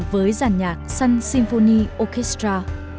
với giàn nhạc sun symphony orchestra